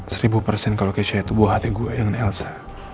seribu persen kalau kesha itu buah hati gue dengan elsa